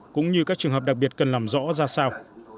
cũng như các trường hợp đặc biệt cần làm rõ ra sao